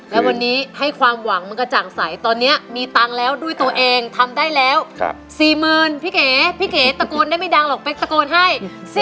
และวันนี้ให้ความหวังมันกระจ่างใสตอนนี้มีตังค์แล้วด้วยตัวเองทำได้แล้ว๔๐๐๐พี่เก๋พี่เก๋ตะโกนได้ไม่ดังหรอกเป๊กตะโกนให้